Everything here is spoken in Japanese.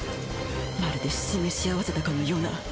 まるで示し合わせたかのような。